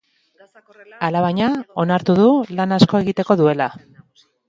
Alabaina, onartu du lan asko egiteko dutela.